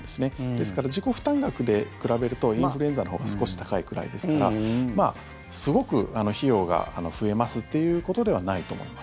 ですから自己負担額で比べるとインフルエンザのほうが少し高いくらいですからすごく費用が増えますっていうことではないと思います。